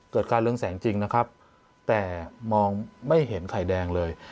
เกิดการเรื่องแสงจริงนะครับแต่มองไม่เห็นไข่แดงเลย